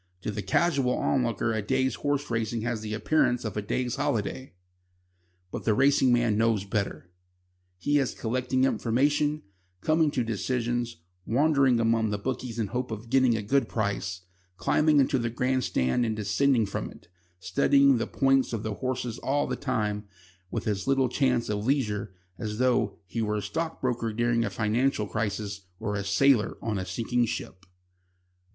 To the casual onlooker a day's horse racing has the appearance of a day's holiday. But the racing man knows better. He is collecting information, coming to decisions, wandering among the bookies in the hope of getting a good price, climbing into the grand stand and descending from it, studying the points of the horses all the time with as little chance of leisure as though he were a stockbroker during a financial crisis or a sailor on a sinking ship.